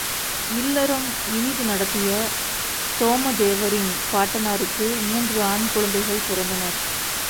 இல்லறம் இனிது நடத்திய சோமதேவரின் பாட்டனாருக்கு மூன்று ஆண் குழந்தைகள் பிறந்தனர்.